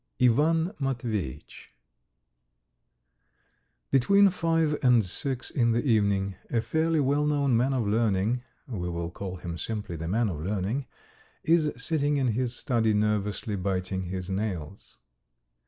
IVAN MATVEYITCH BETWEEN five and six in the evening. A fairly well known man of learning we will call him simply the man of learning is sitting in his study nervously biting his nails.